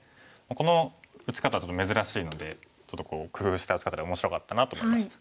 この打ち方はちょっと珍しいのでちょっと工夫した打ち方で面白かったなと思いました。